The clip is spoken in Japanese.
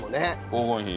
黄金比？